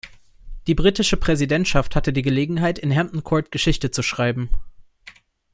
Die britische Präsidentschaft hatte die Gelegenheit, in Hampton Court Geschichte zu schreiben.